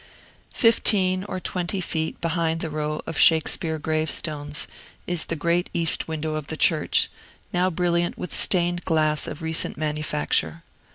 Fifteen or twenty feet behind the row of Shakespeare gravestones is the great east window of the church, now brilliant with stained glass of recent manufacture.